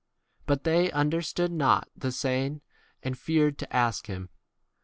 s But they under stood not the saying, and feared 33 to ask him.